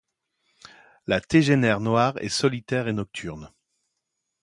La tégénaire noire est solitaire et nocturne.